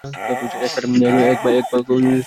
এক কাপ চ পেলে মন্দ হয় না।